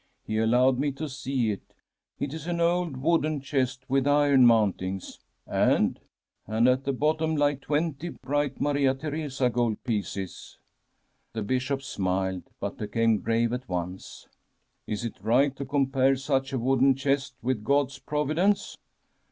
He allowed me to see it. It is an old wooden chest with iron mountings.' •And?' *And at the bottom lie twenty bright Maria Theresa gold pieces.' The Bishop smiled, but became grave at once. * Is it right to compare such a wooden chest with God's providence